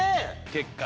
結果。